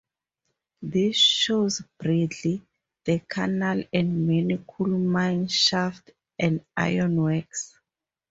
This shows Bradley, the canal and many coal mine shafts and iron works.